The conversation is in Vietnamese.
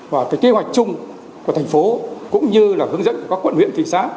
và cái kế hoạch chung của thành phố cũng như là hướng dẫn của các quận huyện thị xã